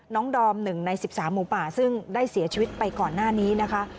ดอม๑ใน๑๓หมูป่าซึ่งได้เสียชีวิตไปก่อนหน้านี้นะคะ